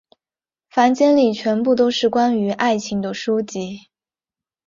房间里全部都是关于爱情的书籍。